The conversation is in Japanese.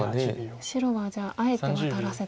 白はじゃああえてワタらせて。